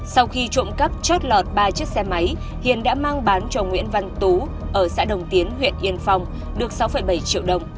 sau khi trộm cắp chót lọt ba chiếc xe máy hiền đã mang bán cho nguyễn văn tú ở xã đồng tiến huyện yên phong được sáu bảy triệu đồng